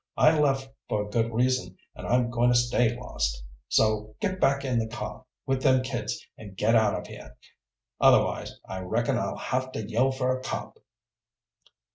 I left for a good reason, and I'm going to stay lost. So get back in the car with them kids and get out of here. Otherwise, I reckon I'll have to yell for a cop."